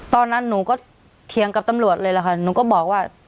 ตอนนั้นหนูก็เถียงกับตำรวจเลยล่ะค่ะหนูก็บอกว่า